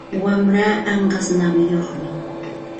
Wamraa anqas nawiyuqmi.